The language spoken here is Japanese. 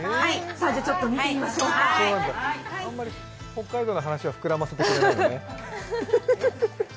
あまり北海道の話は膨らませてくれないのね。